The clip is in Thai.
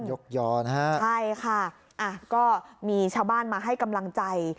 ยอนะฮะใช่ค่ะก็มีชาวบ้านมาให้กำลังใจ